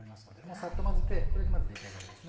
サッと混ぜてこれで出来上がりですね。